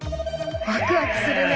ワクワクするね。